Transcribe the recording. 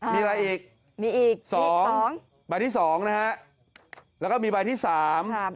มีอะไรอีกมีอีกสองใบที่สองนะฮะแล้วก็มีใบที่สามครับ